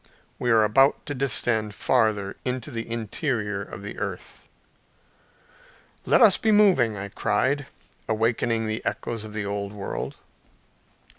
We were about to descend farther into the interior of the earth. "Let us be moving," I cried, awakening the echoes of the old world.